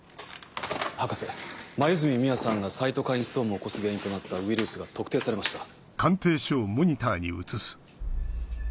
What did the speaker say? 博士黛美羽さんがサイトカインストームを起こす原因となったウイルスが特定されました。